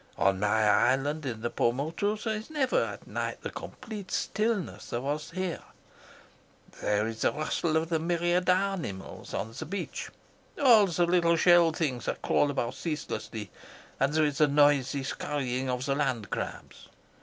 On my island in the Paumotus there is never at night the complete stillness that there was here. There is the rustle of the myriad animals on the beach, all the little shelled things that crawl about ceaselessly, and there is the noisy scurrying of the land crabs.